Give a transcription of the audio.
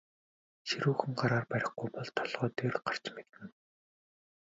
Ширүүхэн гараар барихгүй бол толгой дээр гарч мэднэ.